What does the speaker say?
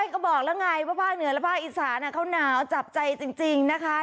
ก็บอกแล้วไงว่าภาคเหนือและภาคอีสานเขาหนาวจับใจจริงนะคะ